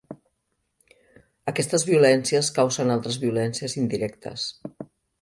Aquestes violències causen altres violències indirectes.